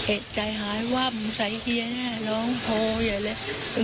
เอ็ดใจหายว่ามันใช้เฮียแน่ร้องโทอย่างเงี้ย